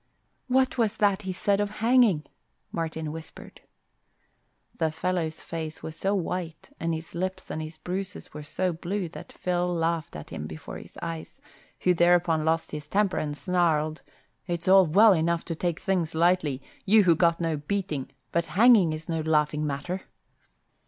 "What was that he said of hanging?" Martin whispered. The fellow's face was so white and his lips and his bruises were so blue that Phil laughed at him before his eyes, who thereupon lost his temper and snarled, "It's all well enough to take things lightly, you who got no beating; but hanging is no laughing matter."